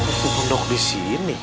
kita munduk di sini